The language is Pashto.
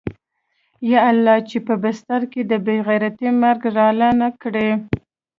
يا الله چې په بستر کې د بې غيرتۍ مرگ راله رانه کې.